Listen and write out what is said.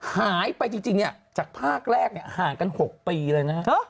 หายไปจริงจริงเนี่ยจากภาคแรกเนี่ยห่างกันหกปีเลยนะฮะ